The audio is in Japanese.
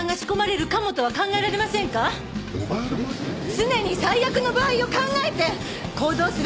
常に最悪の場合を考えて行動すべきです！